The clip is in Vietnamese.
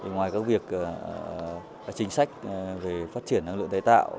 ngoài các việc các chính sách về phát triển năng lượng đại tạo